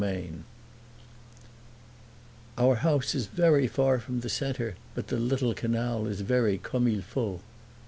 III "Our house is very far from the center, but the little canal is very comme il faut."